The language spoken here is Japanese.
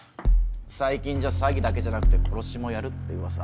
最近じゃ詐欺だけじゃなくて殺しもやるって噂。